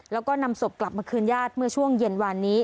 แล้วก็นำศพกลับมาคืนญาติเมื่อช่วงเย็นวานนี้